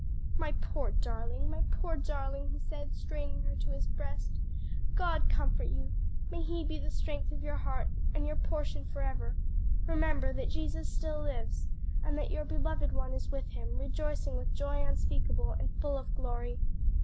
"My poor darling, my poor darling!" he said, straining her to his breast, "God comfort you! May He be the strength of your heart and your portion forever! Remember that Jesus still lives, and that your beloved one is with Him, rejoicing with joy unspeakable and full of glory."